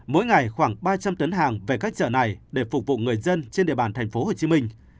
mỗi ngày khoảng ba trăm linh tấn hàng về các chợ này để phục vụ người dân trên địa bàn tp hcm